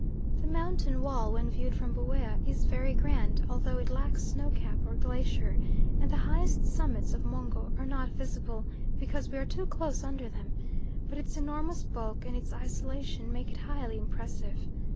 The mountain wall when viewed from Buea is very grand, although it lacks snowcap or glacier, and the highest summits of Mungo are not visible because we are too close under them, but its enormous bulk and its isolation make it highly impressive.